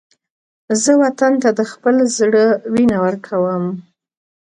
زه وطن ته د خپل زړه وینه ورکوم